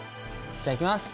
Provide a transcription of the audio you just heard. じゃあいきます。